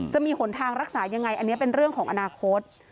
จะมีหนทางรักษายังไงอันนี้เป็นเรื่องของอนาคต